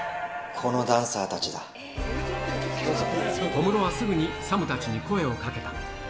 小室はすぐにＳＡＭたちに声をかけた。